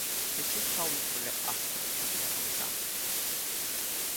De ce stau lucrurile astfel, dle comisar?